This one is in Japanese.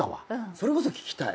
それこそ聞きたい。